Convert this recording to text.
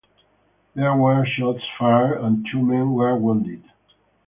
There were shots fired and two men were wounded.